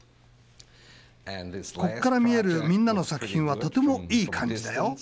ここから見えるみんなの作品はとてもいい感じだよ。